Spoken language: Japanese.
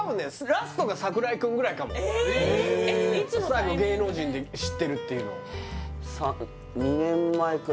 ラストが櫻井くんぐらいかもえっ最後芸能人で知ってるっていうのえ